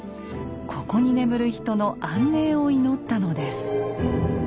ここに眠る人の安寧を祈ったのです。